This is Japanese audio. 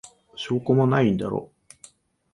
証拠もないんだろ。